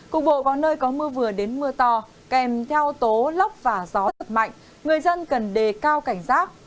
cục bộ có nơi có mưa vừa đến mưa to